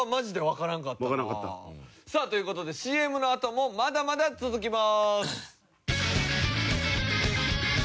わからんかった？さあという事でＣＭのあともまだまだ続きます。